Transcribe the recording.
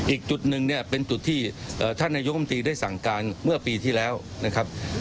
อีกจุดหนึ่งเนี่ยเป็นจุดที่ท่านนายกรรมตรีได้สั่งการเมื่อปีที่แล้วนะครับ